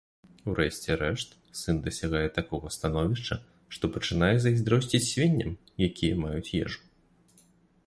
У рэшце рэшт, сын дасягае такога становішча, што пачынае зайздросціць свінням, якія маюць ежу.